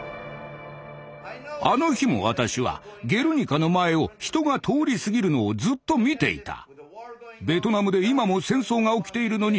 あの日も私は「ゲルニカ」の前を人が通り過ぎるのをずっと見ていた。